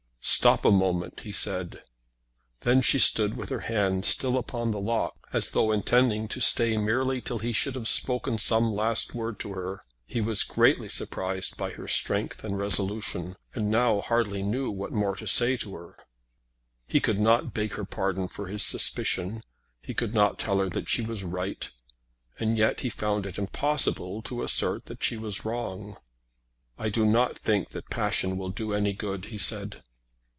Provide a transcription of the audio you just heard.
"Stop a moment," he said. Then she stood with her hand still on the lock, as though intending to stay merely till he should have spoken some last word to her. He was greatly surprised by her strength and resolution, and now hardly knew what more to say to her. He could not beg her pardon for his suspicion; he could not tell her that she was right; and yet he found it impossible to assert that she was wrong. "I do not think that passion will do any good," he said.